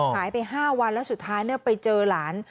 หายไป๕วันแล้วสุดท้ายไปเจอหลาน